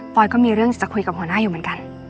ก็มีเรื่องจะคุยกับหัวหน้าอยู่เหมือนกัน